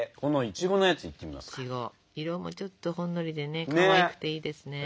いちご色もちょっとほんのりでねかわいくていいですね。